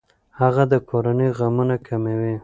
هغه د کورنۍ غمونه کموي.